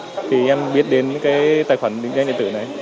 giờ thì chúng tôi cũng đã viết đến những cái tài khoản định danh điện tử này